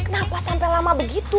kenapa sampai lama begitu